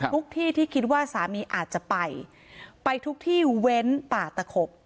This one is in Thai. ที่ที่คิดว่าสามีอาจจะไปไปทุกที่เว้นป่าตะขบ